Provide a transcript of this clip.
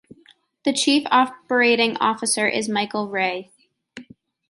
The chief operating officer is Michael Rea.